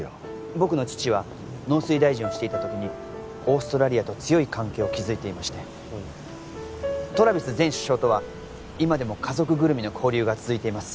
僕の父は農水大臣をしていた時にオーストラリアと強い関係を築いていましてトラビス前首相とは今でも家族ぐるみの交流が続いています